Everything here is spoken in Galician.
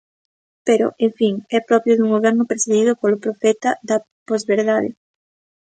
Pero, en fin, é propio dun Goberno presidido polo profeta da posverdade.